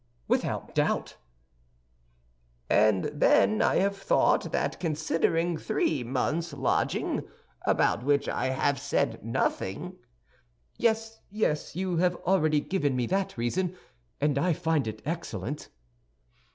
"Without doubt." "And then I have thought that considering three months' lodging, about which I have said nothing—" "Yes, yes; you have already given me that reason, and I find it excellent."